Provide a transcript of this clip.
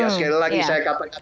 sekali lagi saya katakan